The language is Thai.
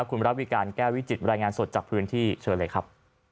คุณระวิการแก้วิจิตบรรยายงานสดจากพื้นที่เชิญเลยครับ